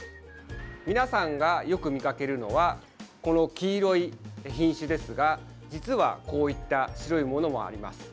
皆さんがよく見かけるのはこの黄色い品種ですが、実はこういった白いものもあります。